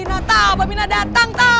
nah tak babi datang tak